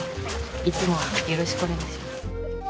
いつもよろしくお願いします。